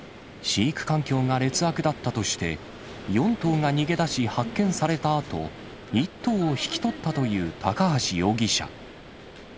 飼育環境が劣悪だったとして、４頭が逃げ出し発見されたあと、１頭を引き取ったという高橋容疑者。